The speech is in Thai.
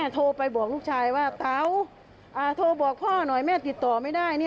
โทรบอกพ่อหน่อยแม่ติดต่อไม่ได้